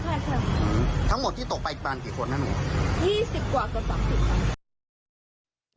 อืมทั้งหมดที่ตกไปกว่าอีกบาทกี่คนนะหนู๒๐กว่ากว่า๓๐คน